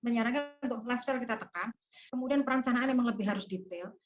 saya nyarankan untuk lifestyle kita tekan kemudian perancanaan memang lebih harus detail